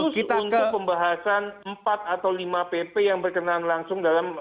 khusus untuk pembahasan empat atau lima pp yang berkenaan langsung dalam